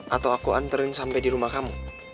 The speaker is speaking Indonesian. atau aku anterin sampai di rumah kamu